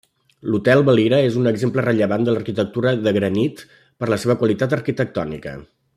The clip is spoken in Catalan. L'Hotel Valira és un exemple rellevant de l'arquitectura de granit per la seva qualitat arquitectònica.